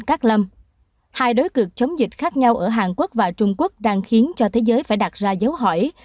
hai đối cực chống dịch khác nhau ở hàn quốc và trung quốc đang khiến cho thế giới phải đặt ra dấu hỏi